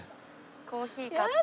コーヒー買って。